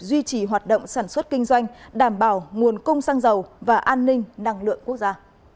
duy trì hoạt động sản xuất kinh doanh đảm bảo nguồn cung xăng dầu và an ninh năng lượng quốc gia